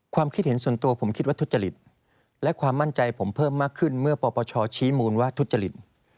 ความคิดเห็นส่วนตัวผมคิดว่าทุจริตและความมั่นใจผมเพิ่มมากขึ้นเมื่อปปชชี้มูลว่าทุจริต